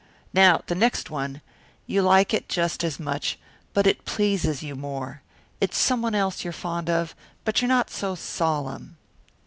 Now the next one, you like it just as much, but it pleases you more. It's someone else you're fond of, but you're not so solemn.